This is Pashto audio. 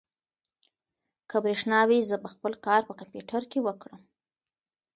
که برېښنا وي، زه به خپل کار په کمپیوټر کې وکړم.